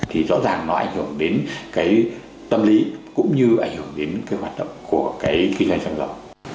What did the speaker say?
thì rõ ràng nó ảnh hưởng đến cái tâm lý cũng như ảnh hưởng đến cái hoạt động của cái kinh doanh sản phẩm